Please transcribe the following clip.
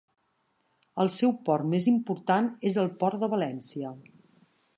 El seu port més important és el port de València.